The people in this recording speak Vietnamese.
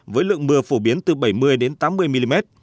với lượng mưa phổ biến từ bảy mươi đến tám mươi mm